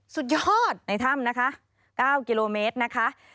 สุดยอดในถ้ำนะคะ๙กิโลเมตรนะคะ